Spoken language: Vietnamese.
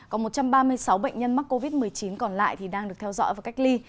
còn một trăm ba mươi sáu bệnh nhân mắc covid một mươi chín còn lại đang được theo dõi và cách ly